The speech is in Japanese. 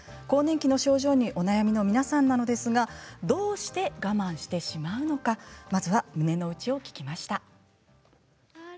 更年期の症状にお悩みの皆さんなんですが、どうして我慢してしまうのか胸の内を聞きました。